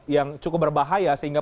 yang cukup berbahaya sehingga